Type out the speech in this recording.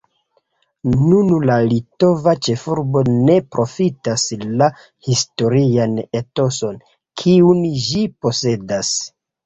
Nun la litova ĉefurbo ne profitas la historian etoson, kiun ĝi posedas.